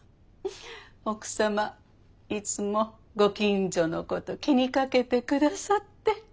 奥様いつもご近所のこと気にかけて下さって。